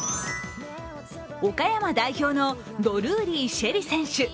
岡山代表のドルーリー朱瑛里選手。